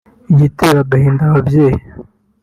Igitera agahinda aba babyeyi